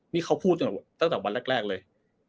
นี่เขาพูดตั้งแต่วันแรกเลย